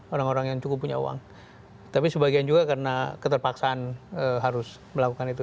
orang orang yang cukup punya uang tapi sebagian juga karena keterpaksaan harus melakukan itu